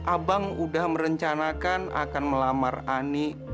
abang udah merencanakan akan melamar ani